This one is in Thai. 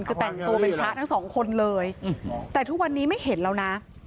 คือแต่งตัวเป็นพระทั้งสองคนเลยแต่ทุกวันนี้ไม่เห็นแล้วนะ